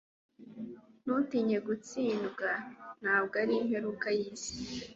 Ntutinye gutsindwa. Ntabwo ari imperuka y'isi,